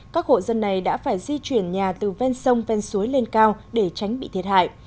các hộ dân này đã phải di chuyển nhà từ ven sông ven suối lên cao để tránh bị thiệt hại